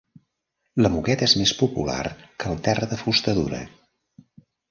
La moqueta és més popular que el terra de fusta dura